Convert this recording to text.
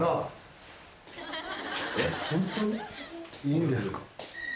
いいんですか？